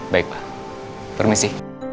baik pak permisi